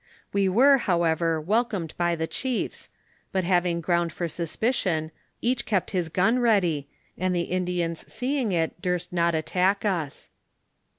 We were, however, welcomed by the chiefs, but having ground for suspicion, each kept his gun ready, and the Indians seeing it, durst not attack us.